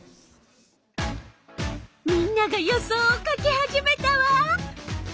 みんなが予想を書き始めたわ。